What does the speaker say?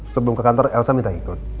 sebelum ke kantor elsa minta ikut